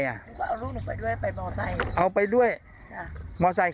ก็เอารูปหนูไปด้วยไปมอเตอร์ไซค์